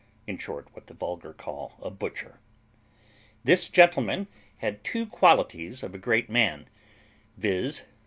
in short, what the vulgar call a butcher. This gentleman had two qualities of a great man, viz.